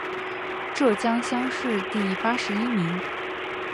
浙江乡试第八十一名。